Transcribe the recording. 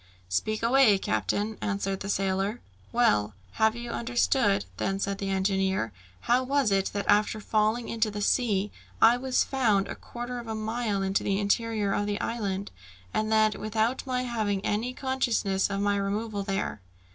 "Speak away, captain," answered the sailor. "Well, have you understood," then said the engineer, "how was it that after falling into the sea, I was found a quarter of a mile into the interior of the island, and that, without my having any consciousness of my removal there?"